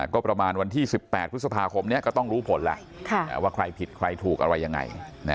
ก็ประมาณวันที่๑๘พฤษภาคมนี้ก็ต้องรู้ผลแล้วว่าใครผิดใครถูกอะไรยังไง